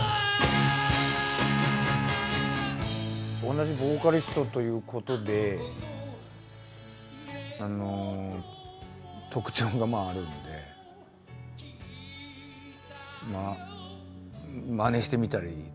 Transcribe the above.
同じボーカリストということであの特徴がまああるのでまあまねしてみたりとかね。